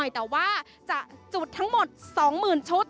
แต่ว่าจะจุดทั้งหมดสองหมื่นชุด